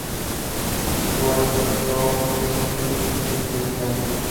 Su álbum "So, this is Great Britain?